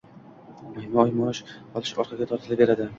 Oyma-oy maosh olishi orqaga tortilaverdi